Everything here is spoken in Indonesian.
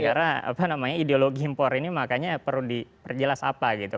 karena ideologi impor ini makanya perlu diperjelas apa gitu